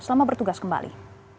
selamat bertugas kembali